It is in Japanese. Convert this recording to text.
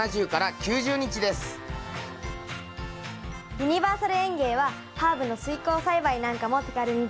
ユニバーサル園芸はハーブの水耕栽培なんかも手軽にできておすすめです。